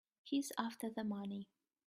He's after the money.